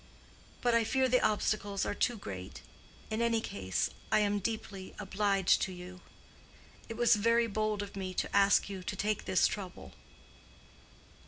But I fear the obstacles are too great. In any case, I am deeply obliged to you. It was very bold of me to ask you to take this trouble."